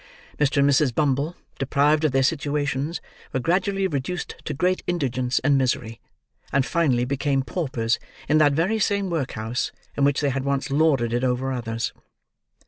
Mr. and Mrs. Bumble, deprived of their situations, were gradually reduced to great indigence and misery, and finally became paupers in that very same workhouse in which they had once lorded it over others.